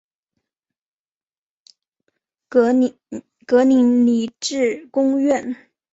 格林尼治宫苑。